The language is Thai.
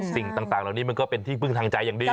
สิ่งต่างเหล่านี้มันก็เป็นที่พึ่งทางใจอย่างดี